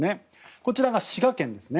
こちらが滋賀県ですね。